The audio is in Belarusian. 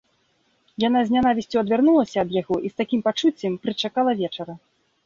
Яна з нянавісцю адвярнулася ад яго і з такім пачуццем прычакала вечара.